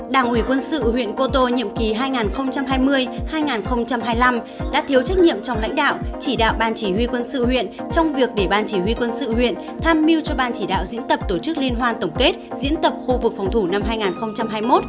đảng ủy quân sự huyện cô tô nhiệm kỳ hai nghìn hai mươi hai nghìn hai mươi năm đã thiếu trách nhiệm trong lãnh đạo chỉ đạo ban chỉ huy quân sự huyện trong việc để ban chỉ huy quân sự huyện tham mưu cho ban chỉ đạo diễn tập tổ chức liên hoan tổng kết diễn tập khu vực phòng thủ năm hai nghìn hai mươi một